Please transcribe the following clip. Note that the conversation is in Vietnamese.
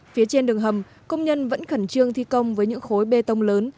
phía trên đường hầm công nhân vẫn khẩn trương thi công với những khối bê tông lớn